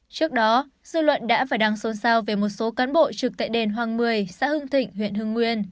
trước đó dư luận đã phải đăng xôn xao về một số cán bộ trực tại đền hoàng một mươi xã hưng thịnh huyện hưng nguyên